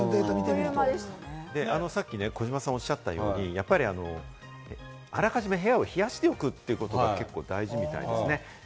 さっき児嶋さんがおっしゃったように、あらかじめ部屋を冷やしておくということが結構大事みたいですね。